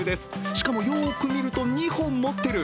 しかも、よーく見ると２本持ってる。